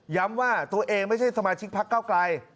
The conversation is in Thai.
ย้ำว่าตัวเองไม่ใช่สมาชิกพลักษณ์เก้าไกล